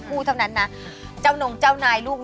พูดจะมาหาเรามั้ยคะ